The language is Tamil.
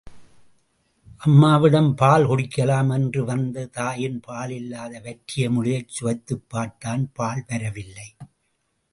அம்மாவிடம் பால் குடிக்கலாம் என்று வந்து தாயின் பால் இல்லாத வற்றிய முலையைச் சுவைத்துப் பார்த்தான் பால் வரவில்லை.